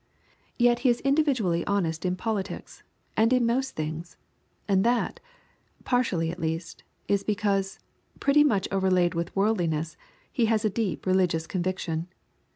Yet he is individually honest in politics, and in most things, and that, partly at least, is because, pretty much overlaid with worldliness, he has a deep religious conviction.